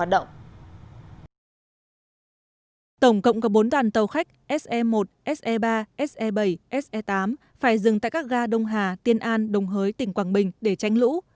tổng cộng có bốn đoàn tàu khách se một se ba se bảy se tám phải dừng tại các ga đông hà tiên an đồng hới tỉnh quảng bình để tranh lũ